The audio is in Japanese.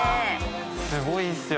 すごいんすよ。